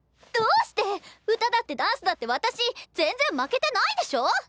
どうして⁉歌だってダンスだって私全然負けてないでしょう？